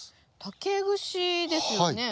竹串ですよね？